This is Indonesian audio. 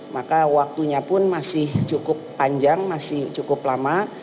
maka waktunya pun masih cukup panjang masih cukup lama